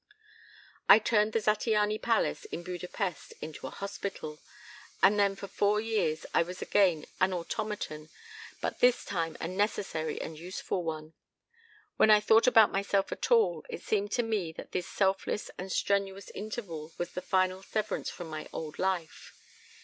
I turned the Zattiany palace in Buda Pesth into a hospital. And then for four years I was again an automaton, but this time a necessary and useful one. When I thought about myself at all, it seemed to me that this selfless and strenuous interval was the final severance from my old life.